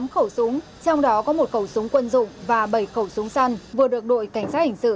tám khẩu súng trong đó có một khẩu súng quân dụng và bảy khẩu súng săn vừa được đội cảnh sát hình sự